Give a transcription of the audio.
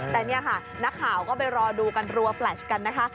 แต่นี่ค่ะนักข่าวก็ไปรอดูกันรัวแฟลชกันนะคะ